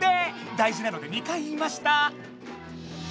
だいじなので２回言いました。